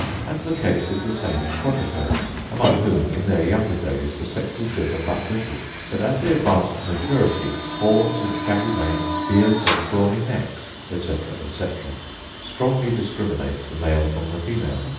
And the case is the same in quadrupeds; among whom, in their younger days, the sexes differ but little: but, as they advance to maturity, horns and shaggy manes, beards and brawny necks, etc., etc., strongly discriminate the male from the female.